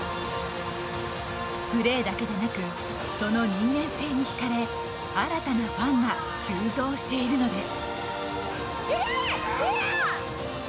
プレーだけでなくその人間性にひかれ新たなファンが急増しているのです。